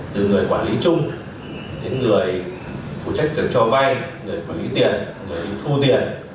từ người quản lý chung đến người phụ trách trường cho vay người quản lý tiền người thu tiền